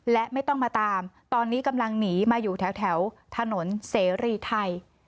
และไม่ต้องมาตามตอนนี้กำลังหนีมาอยู่แถวถนนเสรีไทย